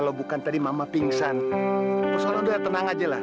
sampai jumpa di video selanjutnya